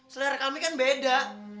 seler kami kan beda